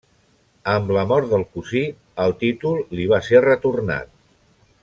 Amb la mort del cosí el títol li va ser retornat.